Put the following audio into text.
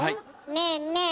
ねえねえ